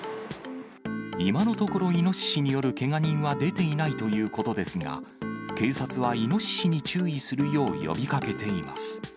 今のところ、イノシシによるけが人は出ていないということですが、警察はイノシシに注意するよう呼びかけています。